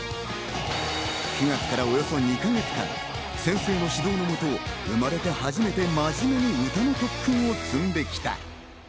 ７月からおよそ２か月間、先生の指導のもと、生まれて初めて真面目に歌の特訓を積んできた。